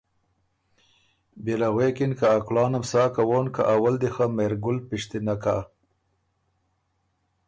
بيې له غوېکِن که ا کُلانم سا کوون که اول دی خۀ مهرګل پِشتِنه کَۀ